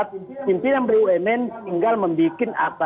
pimpinan bumn tinggal membuat